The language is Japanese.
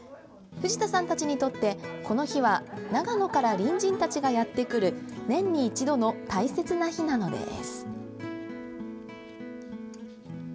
藤田さんたちにとって、この日は長野から隣人たちがやってくる年に一度の大切な日なのです。